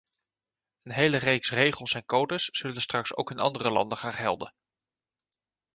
Een hele reeks regels en codes zullen straks ook in andere landen gaan gelden.